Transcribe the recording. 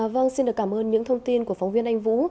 vâng xin được cảm ơn những thông tin của phóng viên anh vũ